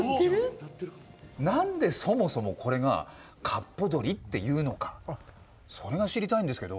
なんで、そもそもこれが「かっぽ鶏」と言うのかそれが知りたいんですけれど。